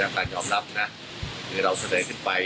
การยอมรับถึงเราเสด็นขึ้นไป